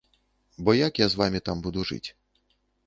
Бо як я з вамі там буду жыць.